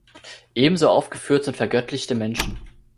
Ebenso aufgeführt sind „vergöttlichte“ Menschen.